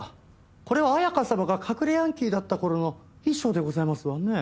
これは綾香様が隠れヤンキーだった頃の衣装でございますわね。